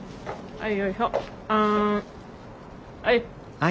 はい。